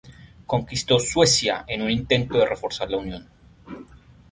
Conquistó Suecia en un intento de reforzar la unión.